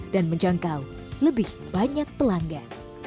menjangkau lebih banyak pelanggan